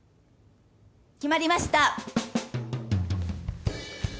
決まりました！